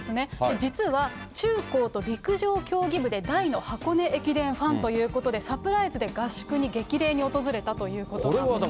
実は、中高と陸上競技部で、大の箱根駅伝ファンということで、サプライズで合宿に激励に訪れたということなんです。